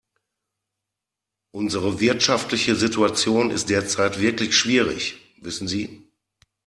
Unsere wirtschaftliche Situation ist derzeit wirklich schwierig, wissen Sie.